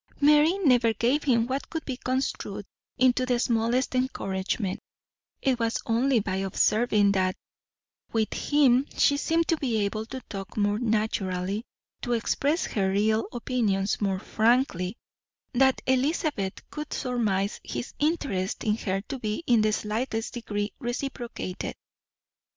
Mary never gave him what could be construed into the smallest encouragement; it was only by observing that with him she seemed to be able to talk more naturally, to express her real opinions more frankly, that Elizabeth could surmise his interest in her to be in the slightest degree reciprocated.